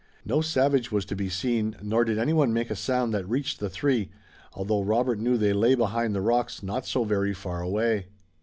No savage was to be seen nor did anyone make a sound that reached the three, although Robert knew they lay behind the rocks not so very far away.